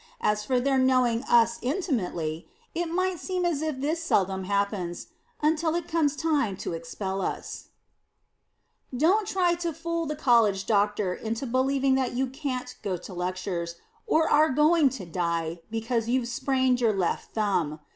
As for their knowing us intimately, it might seem as if this seldom happens, until it comes time to expel us. [Sidenote: MALINGERING] Don't try to fool the College Doctor into believing that you can't go to lectures, or are going to die, because you've sprained your left thumb.